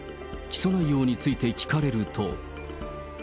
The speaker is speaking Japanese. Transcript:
起訴内容について聞かれると。